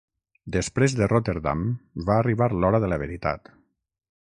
Després de Rotterdam va arribar l'hora de la veritat.